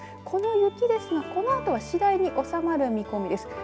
この雪ですが、このあとは次第に収まる見込みです。